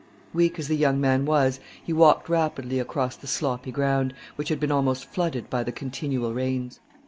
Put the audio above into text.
Weak as the young man was, he walked rapidly across the sloppy ground, which had been almost flooded by the continual rains.